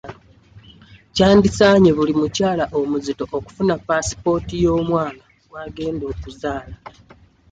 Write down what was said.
Kyandisaanye buli mukyala omuzito okufuna paasipooti y'omwana gw'agenda okuzaala.